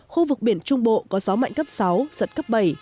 khu vực biển trung bộ có gió mạnh cấp sáu giật cấp bảy